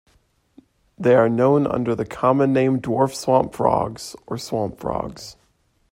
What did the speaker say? They are known under the common name dwarf swamp frogs or swamp frogs.